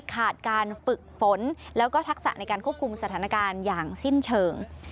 ขาดการฝึกฝนแล้วก็ทักษะในการควบคุมสถานการณ์อย่างสิ้นเชิง